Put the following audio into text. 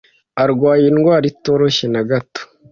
arwaye indwara itoroshye nagato